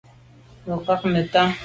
Me kwa’ neta.